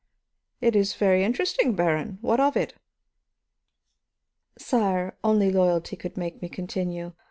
"It is very uninteresting, Baron. What of it?" "Sire, only loyalty could make me continue.